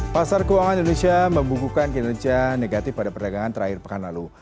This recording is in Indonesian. pasar keuangan indonesia membukukan kinerja negatif pada perdagangan terakhir pekan lalu